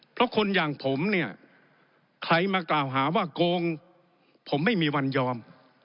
เพราะคนอย่างผมเนี่ยใครมากล่าวหาว่าโกงผมไม่มีวันยอม